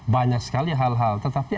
banyak sekali hal hal tetapi